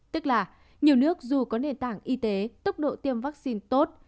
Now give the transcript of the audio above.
tức là nhiều nước dù có nền tảng y tế tốc độ tiêm vaccine tốt